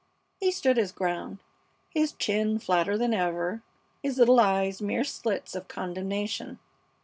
He stood his ground, his chin flatter than ever, his little eyes mere slits of condemnation.